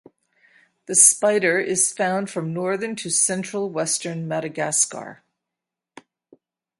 The spider is found from northern to central western Madagascar.